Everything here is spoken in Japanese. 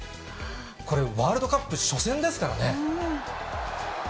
これ、ワールドカップ初戦ですからね。